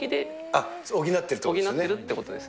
あっ、補ってるってことです